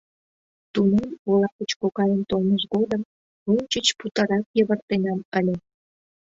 Тунам, ола гыч кокайын толмыж годым, ончыч путырак йывыртенам ыле.